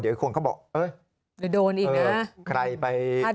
เดี๋ยวอีกคนก็บอกเอ้ยใครไป